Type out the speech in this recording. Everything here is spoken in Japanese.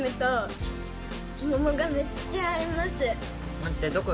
まってどこ？